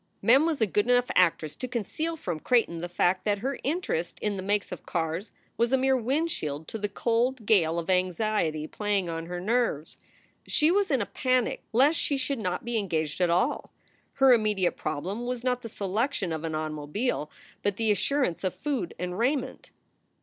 Mem was good enough actress to conceal from Creighton the fact that her interest in the makes of cars was a mere windshield to the cold gale of anxiety playing on her nerves. She was in a panic lest she should not be engaged at all. Her immediate problem was not the selection of an auto mobile, but the assurance of food and raiment.